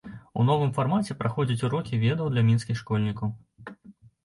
У новым фармаце праходзяць урокі ведаў для мінскіх школьнікаў.